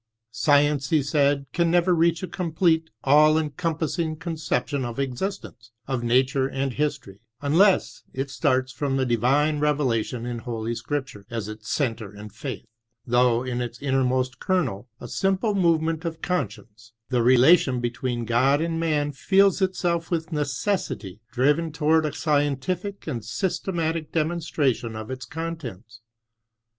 Science, he said, can never reach a complete, all encompassing con ception of existence, of nature and hfitorr, unless it starts from the divine revelation m Holy Scripture as its centre and faith, though in its innermost kernel a simple movement of consdenoe ; the relation between Qod and man feels itself with necessity driven toward a scientific and systematic demonstration of its contents.